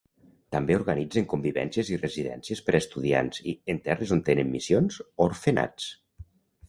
També organitzen convivències i residències per a estudiants i, en terres on tenen missions, orfenats.